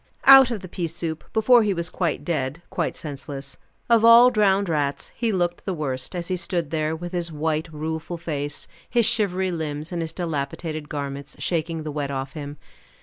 Out of the pea soup before he was quite dead, quite senseless. Of all drowned rats, he looked the worst, as he stood there with his white, rueful face, his shivery limbs, and his dilapidated garments, shaking the wet off him.